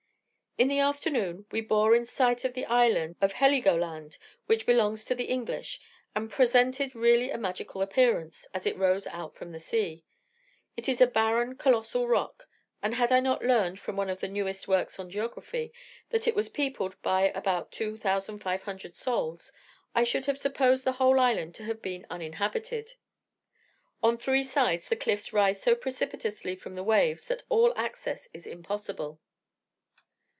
In the afternoon, we bore in sight of the island of Heligoland, which belongs to the English, and presented really a magical appearance, as it rose out from the sea. It is a barren, colossal rock; and had I not learned, from one of the newest works on geography, that it was peopled by about 2,500 souls, I should have supposed the whole island to have been uninhabited. On three sides, the cliffs rise so precipitously from the waves, that all access is impossible.